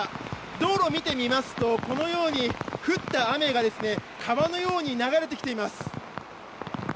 道路を見てみますとこのように降った雨が川のように流れてきています。